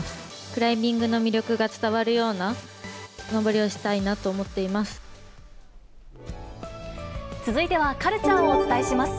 クライミングの魅力が伝わるような、続いては、カルチャーをお伝えします。